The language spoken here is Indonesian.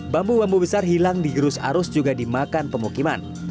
bambu bambu besar hilang digerus arus juga dimakan pemukiman